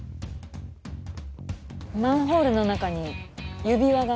マンホールの中に指輪が。